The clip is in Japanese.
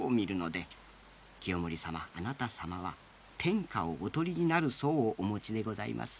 清盛様あなた様は天下をお取りになる相をお持ちでございます。